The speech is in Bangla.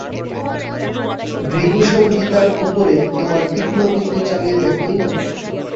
ভৃগুসংহিতার উপরে তোমার তীক্ষ্ণ বুদ্ধি চালিয়ে দেখোই-না।